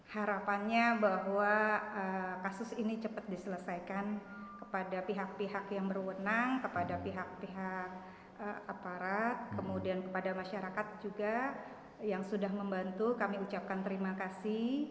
harapannya bahwa kasus ini cepat diselesaikan kepada pihak pihak yang berwenang kepada pihak pihak aparat kemudian kepada masyarakat juga yang sudah membantu kami ucapkan terima kasih